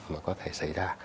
mà có thể xảy ra